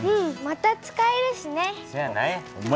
また使えるしね。